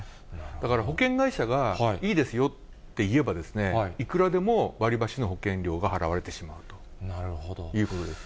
だから保険会社がいいですよっていえば、いくらでも割り増しの保険料が払われてしまうということです。